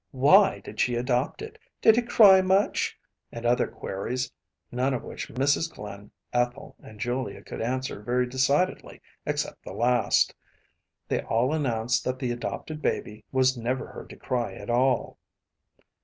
Why did she adopt it? Did it cry much?‚ÄĚ and other queries, none of which Mrs. Glynn, Ethel, and Julia could answer very decidedly except the last. They all announced that the adopted baby was never heard to cry at all.